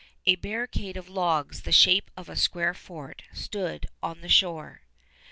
A barricade of logs the shape of a square fort stood on the shore.